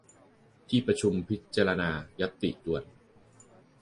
ที่ประชุมพิจารณาญัตติด่วน